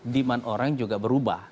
demand orang juga berubah